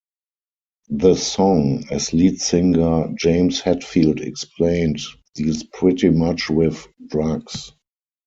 The song, as lead singer James Hetfield explained, deals pretty much with drugs.